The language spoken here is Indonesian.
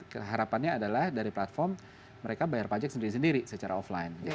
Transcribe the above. keharapannya adalah dari platform mereka bayar pajak sendiri sendiri secara offline